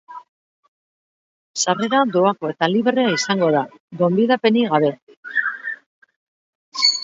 Sarrera doakoa eta librea izango da, gonbidapenik gabe.